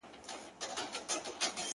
د بېوفا لفظونه راوړل.